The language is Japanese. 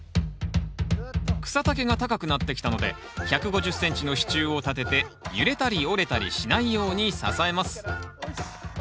草丈が高くなってきたので１５０ｃｍの支柱を立てて揺れたり折れたりしないように支えます。